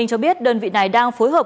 cho biết đơn vị này đang phối hợp